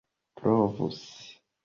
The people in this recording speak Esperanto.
provus